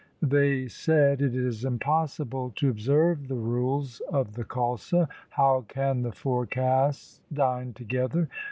They said, ' It is impossible to observe the rules of the Khalsa. How can the four castes dine together